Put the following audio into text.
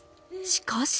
しかし・